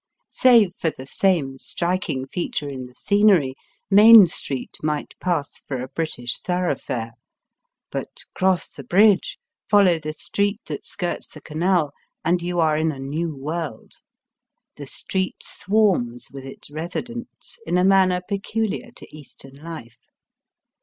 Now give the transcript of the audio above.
Save for the same striking feature in the scenery. Main Street might pass for a British thorough fare ; but cross the bridge, follow the street that skirts the canal, and you are in a new world. The street swarms with its residents in a manner peculiar to Eastern life.